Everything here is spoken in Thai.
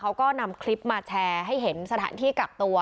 เขาก็นำคลิปมาแชร์ให้เห็นสถานที่กักตัว